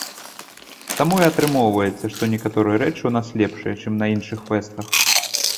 Таму і атрымоўваецца, што некаторыя рэчы ў нас лепшыя, чым на іншых фэстах.